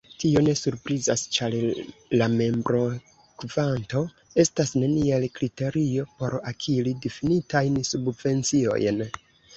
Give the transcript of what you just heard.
Tio ne surprizas ĉar la membrokvanto estas neniel kriterio por akiri difinitajn subvenciojn.